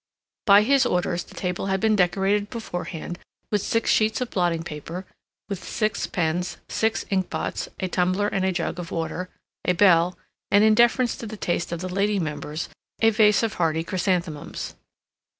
By his orders the table had been decorated beforehand with six sheets of blotting paper, with six pens, six ink pots, a tumbler and a jug of water, a bell, and, in deference to the taste of the lady members, a vase of hardy chrysanthemums.